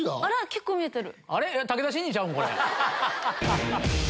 結構見えてる。